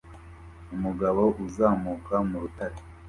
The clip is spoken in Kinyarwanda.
Umugabo uzamuka mu rutare